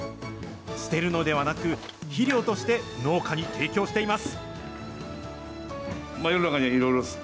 捨てるのではなく、肥料として農家に提供しています。